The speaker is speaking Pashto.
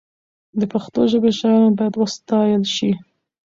د پښتو ژبې شاعران باید وستایل شي.